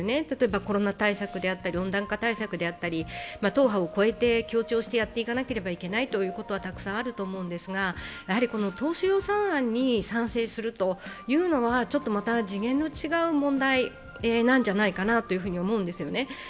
例えばコロナ対策であったり、温暖化対策であったり党派を越えて協調してやっていかなければいけないことはたくさんあると思うんですが、当初予算案に賛成するというのはちょっとまた、次元の違う問題なんじゃないかと思うんですね。